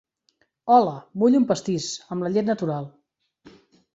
Hola, vull un pastís, amb la llet natural.